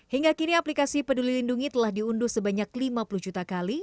hingga kini aplikasi peduli lindungi telah diunduh sebanyak lima puluh juta kali